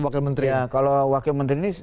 wakil menteri ya kalau wakil menteri ini